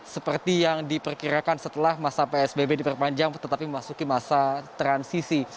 seperti yang diperkirakan setelah masa psbb diperpanjang tetapi memasuki masa transisi